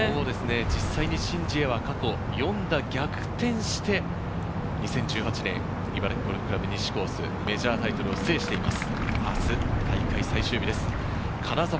実際にシン・ジエは過去４打逆転して、２０１８年、茨城ゴルフ倶楽部西コース、メジャータイトルを制しています。